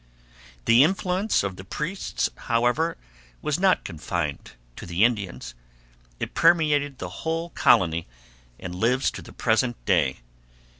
The influence of the priests, however, was not confined to the Indians. It permeated the whole colony and lives to the present day.